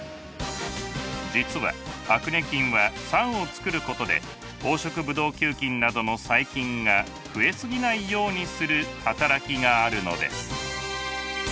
実はアクネ菌は酸をつくることで黄色ブドウ球菌などの細菌が増え過ぎないようにする働きがあるのです。